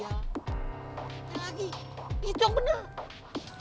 nanti lagi dihitung bener